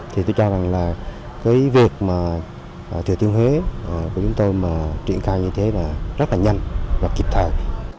thì tôi cho rằng là cái việc mà thừa thiên huế của chúng tôi mà triển khai như thế là rất là nhanh và kịp thời